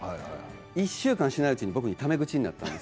１週間もしないうちに僕に、ため口になったんです。